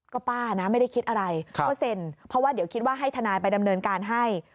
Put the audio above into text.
ก็ป้านะไม่ได้คิดอะไรก็เซ็นเพราะว่าเดี๋ยวคิดว่าให้ทนายไปดำเนินการให้